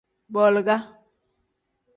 Boliga.